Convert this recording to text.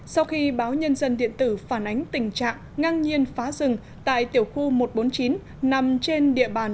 sau khi báo nhân dân điện tử phản ánh tình trạng ngang nhiên phá rừng tại tiểu khu một trăm bốn mươi chín nằm trên địa bàn